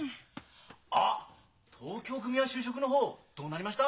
あっ東京組は就職の方どうなりました？